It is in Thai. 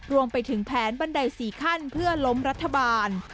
รวมไปถึงแผนบันได๔ขั้นเพื่อล้มรัฐบาล